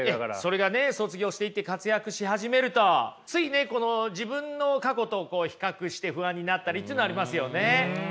それがね卒業していって活躍し始めるとついねこの自分の過去と比較して不安になったりっていうのありますよね。